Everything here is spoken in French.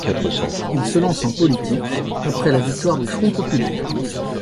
Il se lance en politique après la victoire du Front populaire.